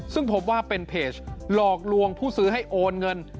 ซึ่งพบว่าเป็นเพจหลอกลวงผู้ซื้อให้โอนเงิน